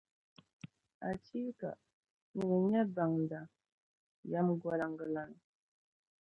Achiika! Nyini n-nyɛ Baŋda, Yεmgoliŋgalana.